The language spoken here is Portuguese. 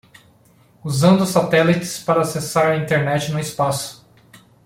Usando satélites para acessar a Internet no espaço